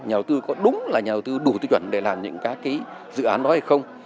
nhà đầu tư có đúng là nhà đầu tư đủ tiêu chuẩn để làm những các dự án đó hay không